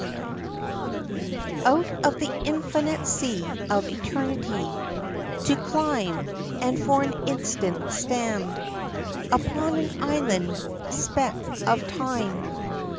_ LIFE Out of the infinite sea of eternity To climb, and for an instant stand Upon an island speck of time.